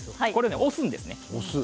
押すんですね。